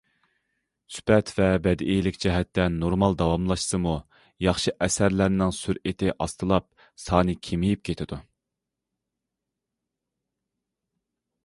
سۈپەت ۋە بەدىئىيلىك جەھەتتە نورمال داۋاملاشسىمۇ، ياخشى ئەسەرلەرنىڭ سۈرئىتى ئاستىلاپ، سانى كېمىيىپ كېتىدۇ.